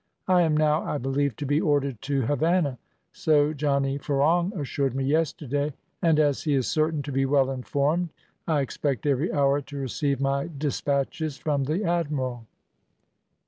"I am now, I believe, to be ordered to Havannah, so Johnny Ferong assured me yesterday, and as he is certain to be well informed, I expect every hour to receive my despatches from the admiral."